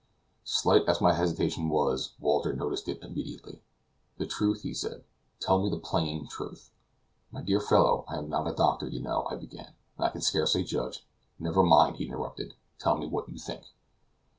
Slight as my hesitation was, Walter noticed it immediately. "The truth," he said; "tell me the plain truth." "My dear fellow, I am not a doctor, you know," I began, "and I can scarcely judge " "Never mind," he interrupted, "tell me just what you think."